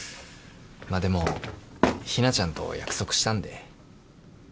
でも日菜ちゃんと約束したんで。